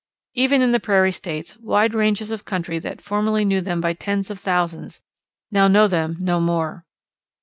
Even in the Prairie States wide ranges of country that formerly knew them by tens of thousands now know them no more.